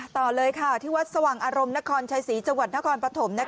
ต่อเลยค่ะที่วัดสว่างอารมณ์นครชัยศรีจังหวัดนครปฐม